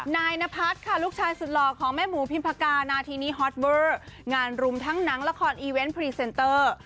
นายนพัฒน์ค่ะลูกชายสุดหล่อของแม่หมูพิมพากานาทีนี้ฮอตเวอร์งานรุมทั้งหนังละครอีเวนต์พรีเซนเตอร์